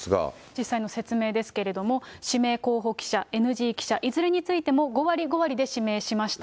実際の説明ですけれども、指名候補記者、ＮＧ記者、いずれについても５割、５割で指名しましたよと。